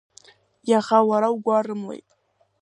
Иаха уара угәарымлеит.